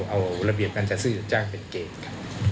เอาระเบียบการจัดซื้อจัดจ้างเป็นเกณฑ์ครับ